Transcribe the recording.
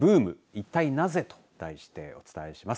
いったいなぜと題してお伝えします。